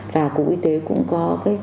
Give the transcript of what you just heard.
và cục y tế cũng có